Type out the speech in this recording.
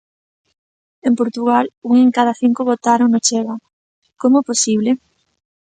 En Portugal, un en cada cinco votaron no Chega. Como é posible?